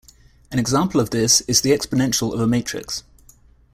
An example of this is the exponential of a matrix.